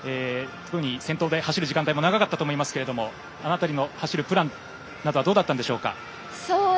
先頭で走る時間帯も長かったと思いますがあの辺りの走るプランなどはどうだったんでしょうか？